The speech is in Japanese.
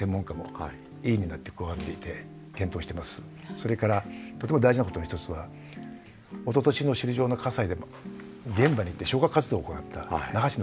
それからとても大事なことの一つはおととしの首里城の火災でも現場に行って消火活動を行った那覇市の消防局。